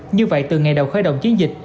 như vậy từ ngày đầu khởi động chiến dịch